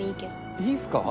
いいんすか？